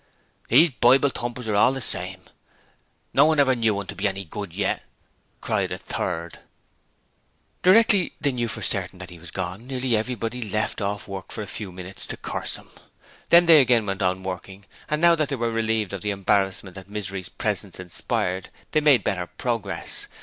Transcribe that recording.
'These Bible thumpers are all the same; no one ever knew one to be any good yet,' cried a third. Directly they knew for certain that he was gone, nearly everyone left off work for a few minutes to curse him. Then they again went on working and now that they were relieved of the embarrassment that Misery's presence inspired, they made better progress.